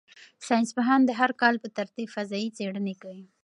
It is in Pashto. ساینس پوهان د هر کال په ترتیب فضايي څېړنې کوي.